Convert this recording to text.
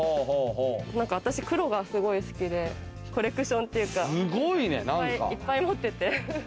私、黒がすごい好きで、コレクションというか、いっぱい持ってて。